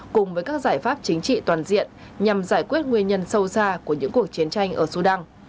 cùng với các giải pháp chính trị toàn diện nhằm giải quyết nguyên nhân sâu xa của những cuộc chiến tranh ở sudan